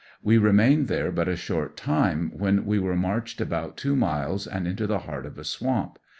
We remained there but a short time when we were marched about two miles and into the heart of a swamp.